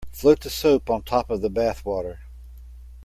Float the soap on top of the bath water.